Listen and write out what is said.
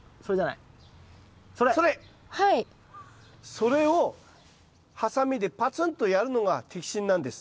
それをハサミでパツンとやるのが摘心なんです。